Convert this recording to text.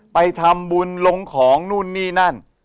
ไปทำบุญลงของนู่นนี่นั่น